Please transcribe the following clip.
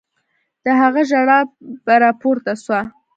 د هغه ژړا به پورته سوه.